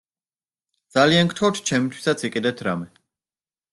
ძალიან გთხოვთ, ჩემთვისაც იყიდეთ რამე.